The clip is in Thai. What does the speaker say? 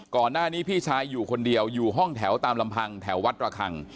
ก่อนหน้านี้พี่ชายอยู่คนเดียวอยู่ห้องแถวตามลำพังแถววัดระคัง